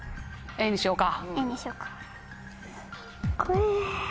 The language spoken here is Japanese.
Ａにしようか。